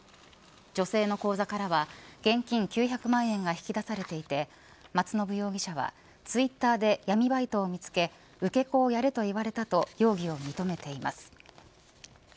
女性の口座からは現金９００万円が引き出されていて松信容疑者はツイッターで闇バイトを見つけ受け子をやれと言われたと容疑を認めています。